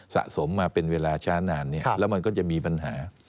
สะสมมาเป็นเวลาช้านานแล้วมันก็จะมีปัญหา